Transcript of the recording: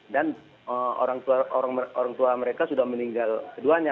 dan orang tua mereka sudah meninggal keduanya